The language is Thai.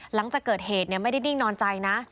หลังจากเกิดเหตุไม่ได้ดิ้งนอนใจนะ